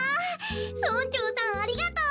村長さんありがとう！